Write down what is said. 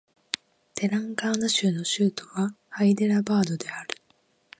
テランガーナ州の州都はハイデラバードである